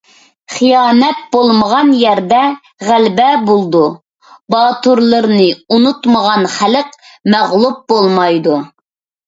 خىيانەت بولمىغان يەردە غەلىبە بولىدۇ؛ باتۇرلىرىنى ئۇنتۇمىغان خەلق مەغلۇپ بولمايدۇ.